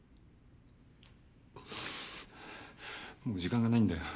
もう時間がないんだ。